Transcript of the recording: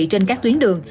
trên các tuyến đường